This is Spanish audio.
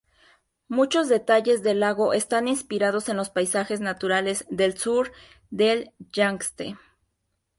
Muchos detalles del lago están inspirados en los paisajes naturales del sur del Yangtze.